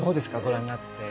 ご覧になって。